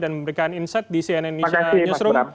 dan memberikan insight di cnn indonesia newsroom